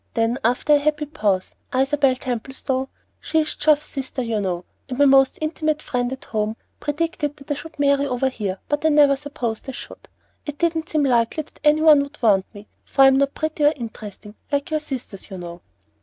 Then, after a happy pause, "Isabel Templestowe she's Geoff's sister, you know, and my most intimate friend at home predicted that I should marry over here, but I never supposed I should. It didn't seem likely that any one would want me, for I'm not pretty or interesting, like your sisters, you know."